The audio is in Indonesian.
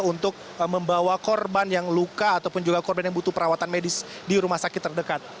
untuk membawa korban yang luka ataupun juga korban yang butuh perawatan medis di rumah sakit terdekat